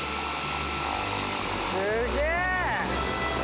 すげえ！